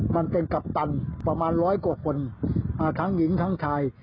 มันเป็นกัปตันประมาณร้อยกว่าคนทั้งหญิงทั้งชาย